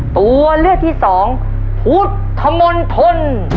ตัวเลือกที่สองพุทธมนตร